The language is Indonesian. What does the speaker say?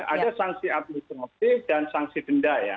ada sangsi administrasi dan sangsi denda ya